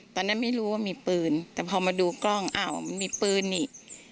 ตอนนั้นไม่รู้ว่ามีปืนแต่พอมาดูกล้องอ้าวมันมีปืนอีก